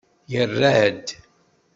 Yerra-d.